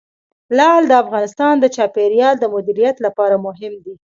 لعل د افغانستان د چاپیریال د مدیریت لپاره مهم دي.